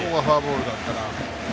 ここがフォアボールだったら。